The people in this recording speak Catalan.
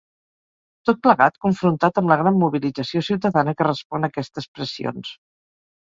Tot plegat, confrontat amb la gran mobilització ciutadana que respon a aquestes pressions.